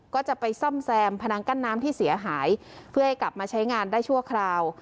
ก็จะไปซ่อมแซมพนังกั้นน้ำที่เสียหายเพื่อให้กลับมาใช้งานได้ชั่วคราว